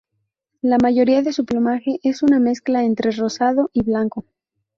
La mayoría de su plumaje es una mezcla entre rosado y blanco.